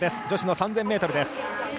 女子の３０００ｍ。